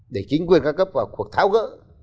để chính quyền cao cấp vào cuộc tháo gỡ